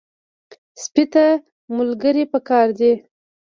سپي ته ملګري پکار دي.